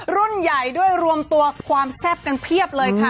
รุ่นใหญ่ด้วยรวมตัวความแซ่บกันเพียบเลยค่ะ